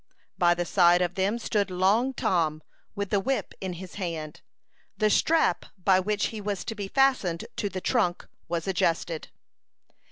By the side of them stood Long Tom, with the whip in his hand. The strap by which he was to be fastened to the trunk was adjusted.